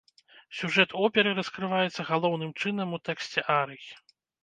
Сюжэт оперы раскрываецца галоўным чынам у тэксце арый.